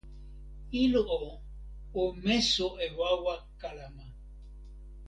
ilo o, o meso e wawa kalama.